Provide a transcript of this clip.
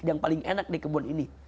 yang paling enak di kebun ini